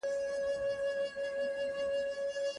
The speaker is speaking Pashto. پروازونه یې څښتن ته تماشا وه